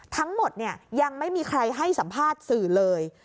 ทั้งหมดยังไม่มีใครให้สัมภาษณ์สื่อเลย